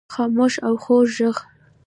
خاموش او خوږ ږغ